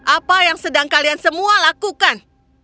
apa yang sedang kalian semua lakukan